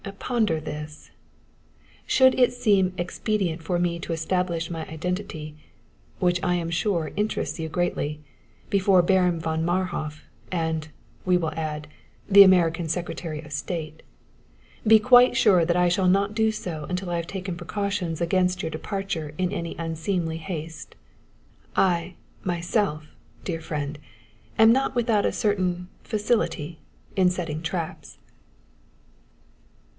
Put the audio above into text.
Ponder this: should it seem expedient for me to establish my identity which I am sure interests you greatly before Baron von Marhof, and, we will add, the American Secretary of State, be quite sure that I shall not do so until I have taken precautions against your departure in any unseemly haste. I, myself, dear friend, am not without a certain facility in setting traps."